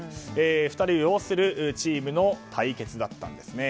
２人を擁するチームの対決だったんですね。